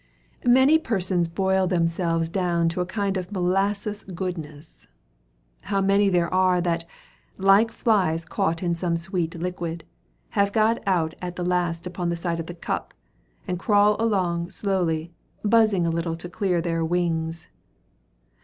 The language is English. Many persons boil themselves down to a kind of molasses goodness. How many there are that, like flies caught in some sweet liquid, have got out at last upon the side of the cup, and crawl along slowly, buzzing a little to clear their wings!